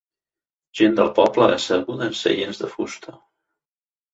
Gent del poble asseguda en seients de fusta.